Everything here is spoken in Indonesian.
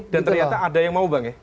dan ternyata ada yang mau bang